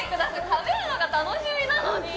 食べるのが楽しみなのに！